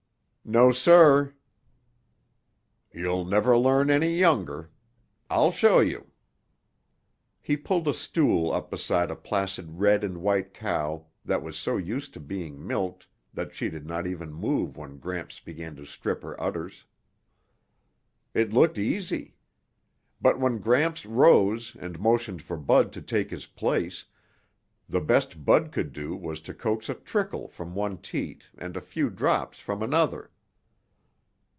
"No, sir." "You'll never learn any younger. I'll show you." He pulled a stool up beside a placid red and white cow that was so used to being milked that she did not even move when Gramps began to strip her udders. It looked easy. But when Gramps rose and motioned for Bud to take his place, the best Bud could do was to coax a trickle from one teat and a few drops from another.